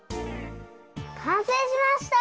かんせいしました！